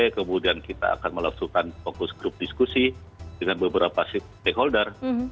kemudian kita akan melaksukan fokus grup diskusi dengan beberapa stakeholder